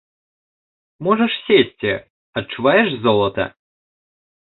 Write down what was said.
Можаш сесці, адчуваеш золата?